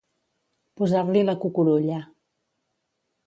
Posar-li la cucurulla.